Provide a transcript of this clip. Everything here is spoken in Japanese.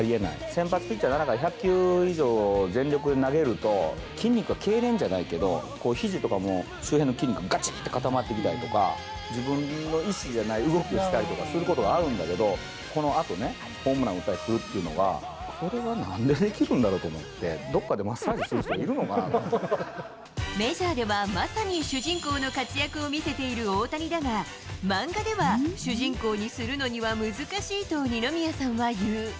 先発ピッチャーは１００球以上全力で投げると、筋肉がけいれんじゃないけど、ひじとかも周辺の筋肉ががちっと固まってきたりとか、自分の意思じゃない動きをしたりとかすることがあるんだけど、このあとね、ホームラン打ったりするっていうのは、これはなんでできるんだろうと思って、どこかでマッサージする人メジャーではまさに主人公の活躍を見せている大谷だが、漫画では主人公にするのには難しいと二宮さんは言う。